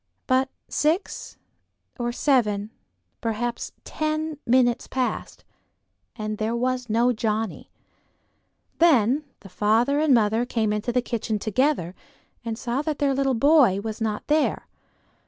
But six or seven, perhaps ten, minutes passed, and there was no Johnnie. Then the father and mother came into the kitchen together, and saw that their little boy was not there.